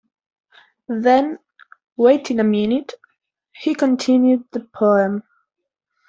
Then, waiting a minute, he continued the poem.